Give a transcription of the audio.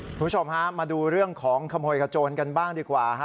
คุณผู้ชมฮะมาดูเรื่องของขโมยขโจรกันบ้างดีกว่าฮะ